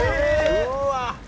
うわ！